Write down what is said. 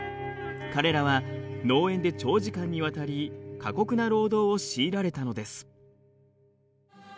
彼らは農園で長時間にわたり過酷な労働を強いられたのです。